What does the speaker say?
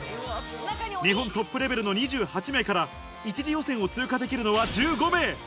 日本トップレベルの２８名から一次予選を通過できるのは１５名。